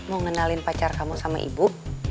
mau ngenalin pacar kamu sama ibu